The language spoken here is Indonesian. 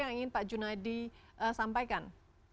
yang ingin pak junadi sampaikan